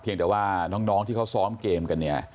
เพียงแต่ว่าน้องที่เขาซ้อมเกมกัน